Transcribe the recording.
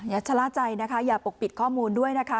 ชะล่าใจนะคะอย่าปกปิดข้อมูลด้วยนะคะ